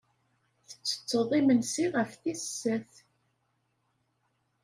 Tettetteḍ imensi ɣef tis sat.